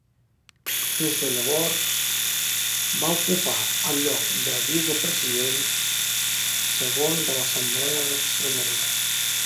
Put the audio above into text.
Des de llavors va ocupar el lloc de vicepresident segon de l'Assemblea d'Extremadura.